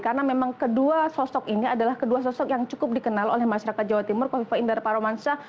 karena memang kedua sosok ini adalah kedua sosok yang cukup dikenal oleh masyarakat jawa timur kofifa indar parawansa